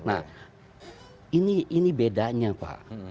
nah ini bedanya pak